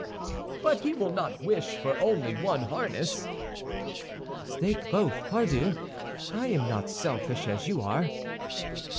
"But he will not wish for only one harness." "Stake both, pardieu! I am not selfish, as you are."